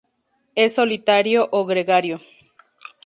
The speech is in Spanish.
Es solitario o gregario.